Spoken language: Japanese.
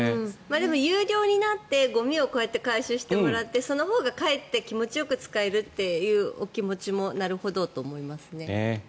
でも、有料になってゴミをこうやって回収してもらってそのほうがかえって気持ちよく使えるというお気持ちもなるほどと思いますね。